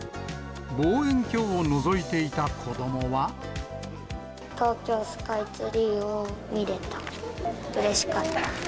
望遠鏡をのぞいていた子ども東京スカイツリーを見れた。